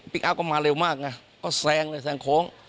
อัพก็มาเร็วมากไงก็แซงเลยแซงโค้ง